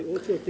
chủ tịch asean